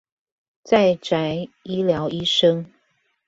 在宅醫療醫生